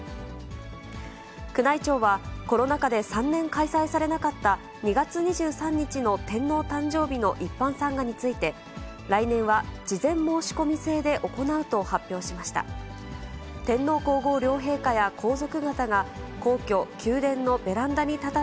宮内庁は、コロナ禍で３年開催されなかった２月２３日の天皇誕生日の一般参賀について、来年は事前申し込み制で行うと発表しました。